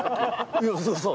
いやそうそう。